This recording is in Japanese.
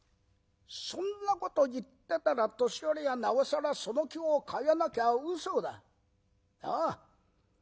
そんなこと言ってたら年寄りはなおさらその気を変えなきゃうそだ。なあ。